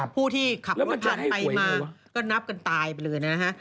ผู้ที่ขับรถผ่านไปมาก็นับกันตายไปเลยนะฮะ